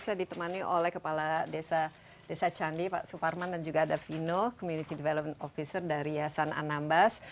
saya ditemani oleh kepala desa candi pak suparman dan juga ada vino community development officer dari yasan anambas